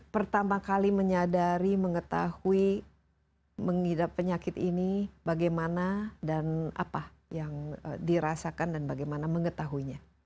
pertama kali menyadari mengetahui mengidap penyakit ini bagaimana dan apa yang dirasakan dan bagaimana mengetahuinya